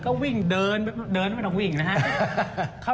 ก็วิ่งเดินเดินไม่ต้องวิ่งนะครับ